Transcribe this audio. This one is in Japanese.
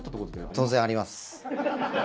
当然あります。